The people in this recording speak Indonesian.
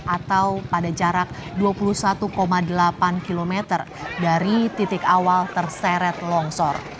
atau pada jarak dua puluh satu delapan km dari titik awal terseret longsor